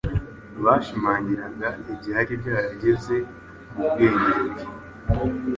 bashimangiraga ibyari byarageze mu bwenge bwe